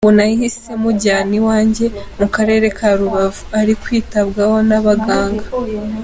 Ubu nahise mujyana iwanjye mu Karere ka Rubavu, ari kwitabwaho n’abaganga.